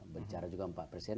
berbicara juga sama pak presiden